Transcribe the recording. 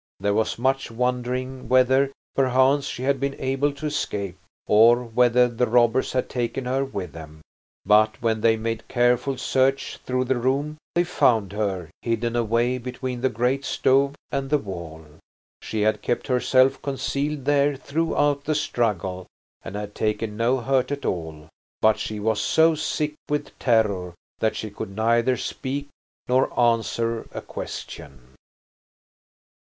There was much wondering whether, perchance, she had been able to escape, or whether the robbers had taken her with them. But when they made careful search through the room they found her hidden away between the great stove and the wall. She had kept herself concealed there throughout the struggle and had taken no hurt at all, but she was so sick with terror that she could neither speak nor answer a question.